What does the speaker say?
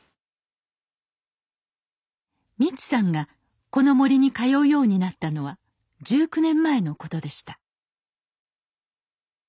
光さんがこの森に通うようになったのは１９年前のことでした。